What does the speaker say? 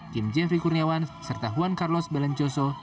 kim jeffy kurniawan serta juan carlos belencoso